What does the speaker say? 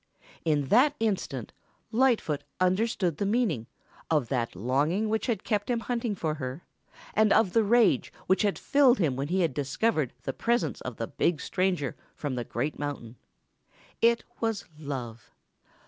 In that instant Lightfoot understood the meaning of that longing which had kept him hunting for her and of the rage which had filled him when he had discovered the presence of the big stranger from the Great Mountain. It was love.